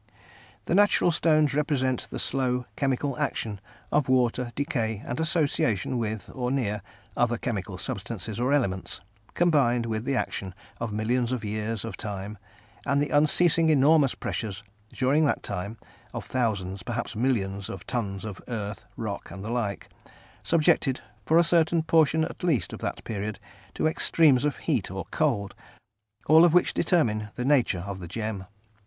The natural stones represent the slow chemical action of water, decay, and association with, or near, other chemical substances or elements, combined with the action of millions of years of time, and the unceasing enormous pressure during that time of thousands, perhaps millions, of tons of earth, rock, and the like, subjected, for a certain portion at least of that period, to extremes of heat or cold, all of which determine the nature of the gem.